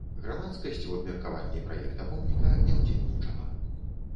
Грамадскасць у абмеркаванні праекта помніка не ўдзельнічала.